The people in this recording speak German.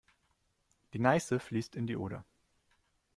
Die Neiße fließt in die Oder.